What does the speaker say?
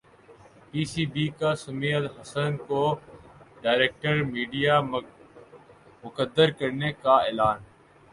پی C B کا سمیع الحسن کو director media مقرر کرنے کا اعلان